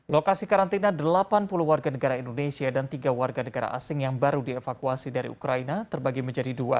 lokasi karantina delapan puluh warga negara indonesia dan tiga warga negara asing yang baru dievakuasi dari ukraina terbagi menjadi dua